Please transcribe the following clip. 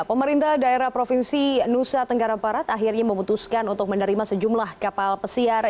pemerintah daerah provinsi nusa tenggara barat akhirnya memutuskan untuk menerima sejumlah kapal pesiar